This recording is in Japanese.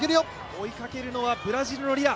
追いかけるのはブラジルのリラ。